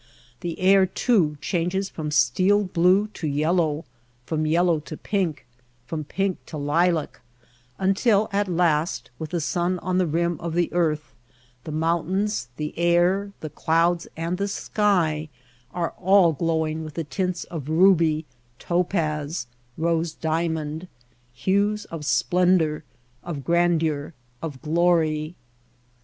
The air, too, changes from steel blue to yellow, from yel low to pink, from pink to lilac, until at last with the sun on the rim of the earth, the moun tains, the air, the clouds, and the sky are all glowing with the tints of ruby, topaz, rose dia mond — hues of splendor, of grandeur, of glory.